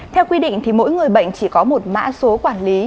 theo quy định thì mỗi người bệnh chỉ có một mã số quản lý